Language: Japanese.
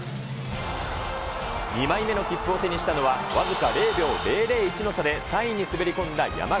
２枚目の切符を手にしたのは僅か０秒００１の差で３位に滑り込んだ山縣。